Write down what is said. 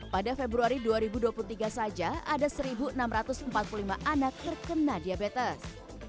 pada februari dua ribu dua puluh tiga saja ada seribu enam ratus empat puluh lima anak terkena diabetes